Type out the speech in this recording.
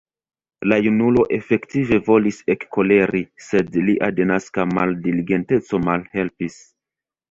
La junulo efektive volis ekkoleri, sed lia denaska maldiligenteco malhelpis.